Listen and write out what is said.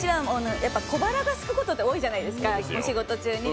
小腹がすくことって多いじゃないですか、お仕事中に。